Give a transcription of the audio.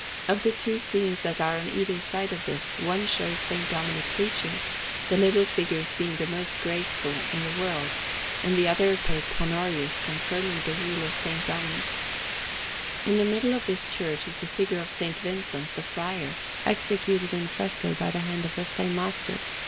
Of the two scenes that are on either side of this, one shows S. Dominic preaching, the little figures being the most graceful in the world, and the other Pope Honorius confirming the Rule of S. Dominic. In the middle of this church is a figure of S. Vincent, the Friar, executed in fresco by the hand of the same master.